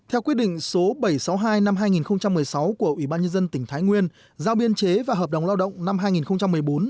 theo quyết định số bảy trăm sáu mươi hai năm hai nghìn một mươi sáu của ủy ban nhân dân tỉnh thái nguyên giao biên chế và hợp đồng lao động năm hai nghìn một mươi bốn